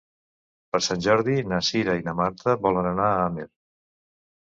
Per Sant Jordi na Cira i na Marta volen anar a Amer.